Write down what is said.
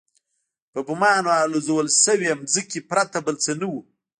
په بمانو الوزول شوې ځمکې پرته بل څه نه وو.